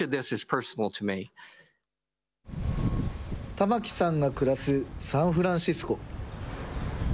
タマキさんが暮らすサンフランシスコ。